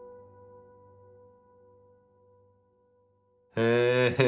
へえ。